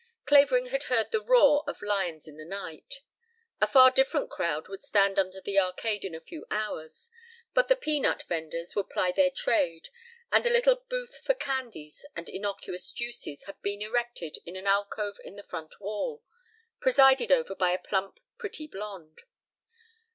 Clavering had heard the roar of lions in the night. A far different crowd would stand under the arcade in a few hours, but the peanut venders would ply their trade, and a little booth for candies and innocuous juices had been erected in an alcove in the front wall, presided over by a plump pretty blonde.